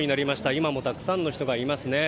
今もたくさんの人がいますね。